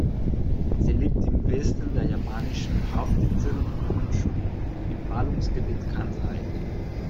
Sie liegt im Westen der japanischen Hauptinsel Honshū im Ballungsgebiet Kansai.